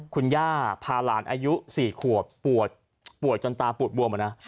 คุณย่าพาหลานอายุ๔ขวบป่วยจนตาปูดบวมอะนะ